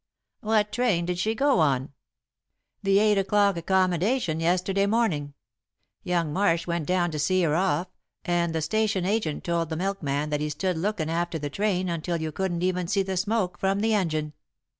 "What train did she go on?" "The eight o'clock accommodation, yesterday morning. Young Marsh went down to see her off, and the station agent told the milkman that he stood lookin' after the train until you couldn't even see the smoke from the engine.